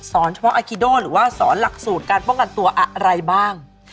เฉพาะอาคิโดหรือว่าสอนหลักสูตรการป้องกันตัวอะไรบ้าง